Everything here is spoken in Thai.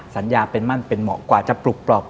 สัญญาเป็นมั่นเป็นเหมาะกว่าจะปลุกปลอก